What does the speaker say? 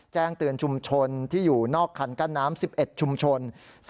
แจ้งเตือนชุมชนที่อยู่นอกคันกั้นน้ำ๑๑ชุมชน